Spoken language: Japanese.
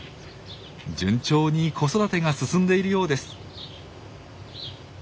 順調に子育てが進んでいるようです。